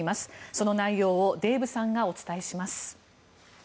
その内容をデーブさんがお伝えします。